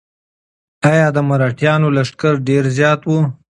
ایا د مرهټیانو لښکر ډېر زیات و؟